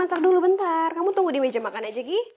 masak dulu bentar kamu tunggu di meja makan aja gi